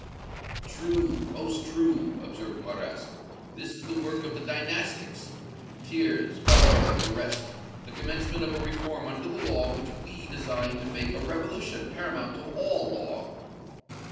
"True, most true!" observed Marrast; "this is the work of the Dynastics Thiers, Barrot and the rest the commencement of a reform under the law which we design to make a revolution paramount to all law."